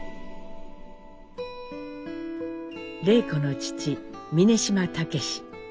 礼子の父峯島武。